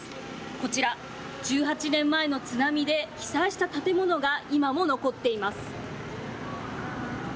こちら、１８年前の津波で被災した建物が今も残っています。